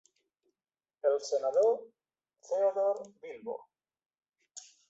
El senador Theodore Bilbo.